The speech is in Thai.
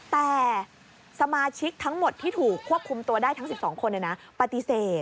แต่สมาชิกทั้งหมดที่ถูกควบคุมตัวได้ทั้ง๑๒คนปฏิเสธ